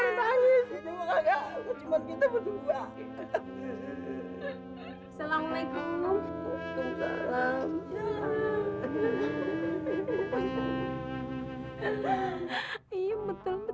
seumuran dia desemannya banyak yang nangisin